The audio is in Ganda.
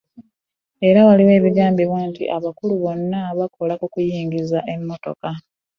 Era waliwo n'ebigambibwa nti abakulu bonna abakola ku kuyingiza emmotoka